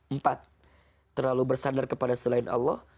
empat terlalu bersandar kepada selain allah